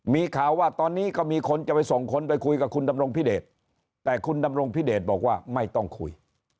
มีข่าวว่าตอนนี้ก็มีคนจะไปส่งคนไปคุยกับคุณดำรงพิเดชแต่คุณดำรงพิเดชบอกว่าไม่ต้องคุย